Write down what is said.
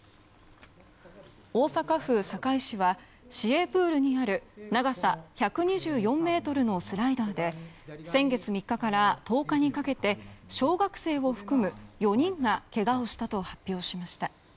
大阪府堺市は市営プールにある長さ１２４ｍのスライダーで先月３日から１０日にかけて小学生を含む４人がけがをしたと発表しました。